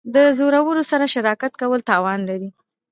د زورورو سره شراکت کول تاوان لري.